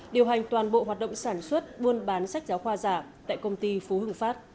điều hành toàn bộ hoạt động sản xuất buôn bán sách giáo khoa giả tại công ty phú hưng phát